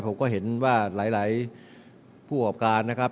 ผมก็เห็นว่าหลายผู้ประกอบการนะครับ